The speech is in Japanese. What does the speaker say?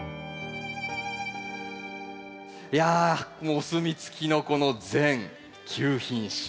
いやもうお墨付きのこの全９品種。